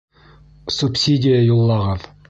Субсидия юллағыҙ!